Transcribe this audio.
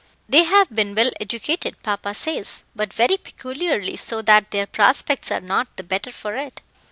"They have been well educated, papa says, but very peculiarly, so that their prospects are not the better for it.